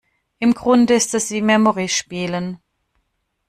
Im Grunde ist es wie Memory spielen.